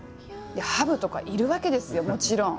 ハブとかいるわけですよもちろん。